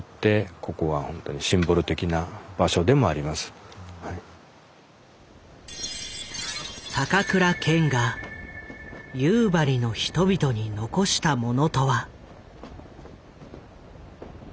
そういった意味でも高倉健が夕張の人々に残したものとは。